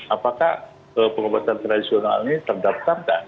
apakah pengobatan tradisional ini terdaftar atau tidak